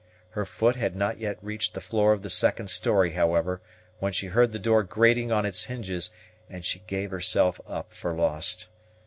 Her foot had not yet reached the floor of the second story, however, when she heard the door grating on its hinges, and she gave herself up for lost.